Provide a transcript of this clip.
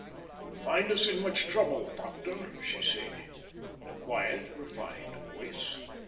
"You find us in much trouble, doctor," she said, in a quiet, refined voice.